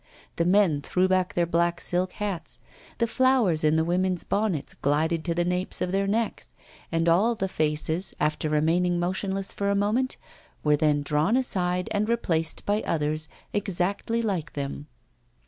The men threw back their black silk hats, the flowers in the women's bonnets glided to the napes of their necks. And all the faces, after remaining motionless for a moment, were then drawn aside and replaced by others exactly like them.